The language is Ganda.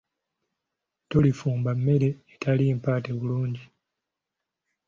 Tolifumba mmere etali mpaate bulungi.